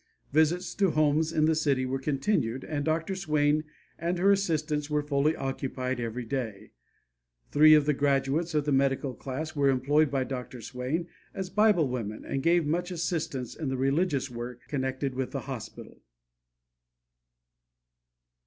Visits to homes in the city were continued, and Dr. Swain and her assistants were fully occupied every day. Three of the graduates of the medical class were employed by Dr. Swain as Bible women and gave much assistance in the religious work connected with the hospital.